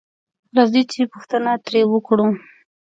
راځه چې پوښتنه تري وکړو